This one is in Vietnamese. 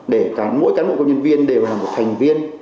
để mỗi cán bộ công nhân viên đều là một thành viên